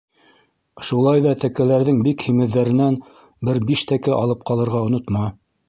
Шулай ҙа тәкәләрҙең бик һимеҙҙәренән бер биш тәкә алып ҡалырға онотма.